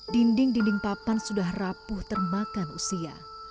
dinding dinding papan sudah rapuh termakan usia